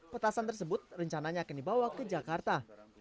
petasan tersebut rencananya akan dibawa ke jakarta